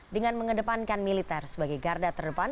dengan mengedepankan militer sebagai garda terdepan